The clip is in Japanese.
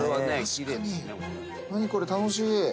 何これ楽しい。